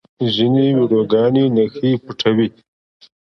ځینې ویډیوګانې نښې پټوي.